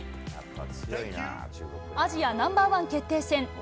アジアナンバー１決定戦。